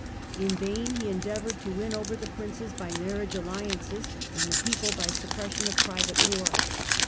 In vain he endeavoured to win over the Princes by marriage alliances and the people by suppression of private war.